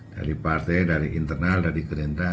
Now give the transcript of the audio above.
dari partai dari internal dari gerindra